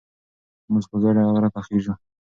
موږ په ګډه غره ته خېژو.